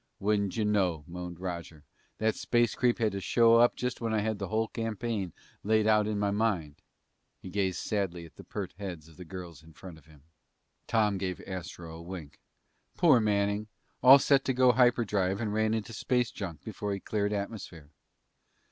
"Wouldn't you know," moaned Roger, "that space creep had to show up just when I had the whole campaign laid out in my mind." He gazed sadly at the pert heads of the girls in front of him. Tom gave Astro a wink. "Poor Manning. All set to go hyperdrive and ran into space junk before he cleared atmosphere."